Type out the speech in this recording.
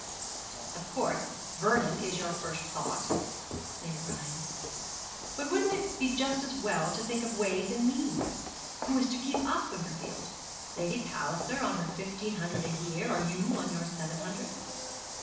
'Of course, Vernon is your first thought,' sneered Brian. 'But wouldn't it be just as well to think of ways and means! Who is to keep up Wimperfield? Lady Palliser, on her fifteen hundred a year; or you, on your seven hundred?'